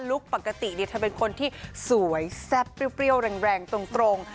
ลุคปกติเนี่ยถ้าเป็นคนที่สวยแซ่บเปรี้ยวแรงตรง